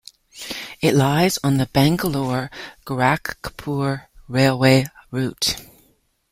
It lies on the Bangalore - Gorakhpur railway route.